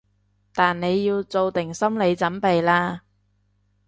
但你要做定心理準備喇